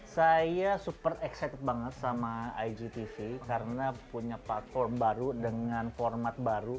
saya support excited banget sama igtv karena punya platform baru dengan format baru